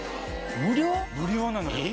無料なのよ。